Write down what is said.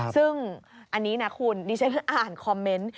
ซึ่งอันนี้นะคุณดิฉันอ่านคอมเมนต์